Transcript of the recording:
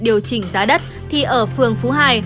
điều chỉnh giá đất thì ở phường phú hải